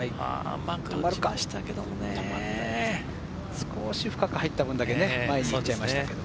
少し深く入った分だけ前に行っちゃいました。